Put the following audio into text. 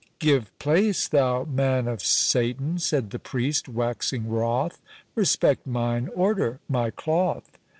"Give place, thou man of Satan," said the priest, waxing wroth, "respect mine order—my cloth."